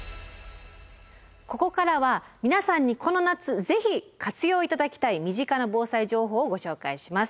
ここからは皆さんにこの夏ぜひ活用頂きたい身近な防災情報をご紹介します。